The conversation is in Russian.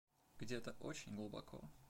Где-то очень глубоко.